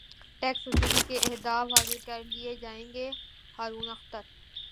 tax وصولی کے اہداف حاصل کرلئے جائیں گے ہارون اختر